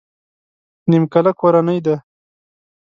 نيمکله کورنۍ ده.